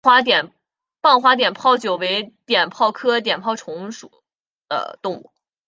棒花碘泡虫为碘泡科碘泡虫属的动物。